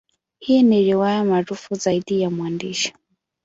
Hii ni riwaya maarufu zaidi ya mwandishi.